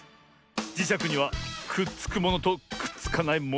じしゃくにはくっつくものとくっつかないものがある。